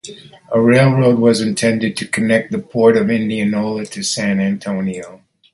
A railroad was intended to connect the port of Indianola to San Antonio.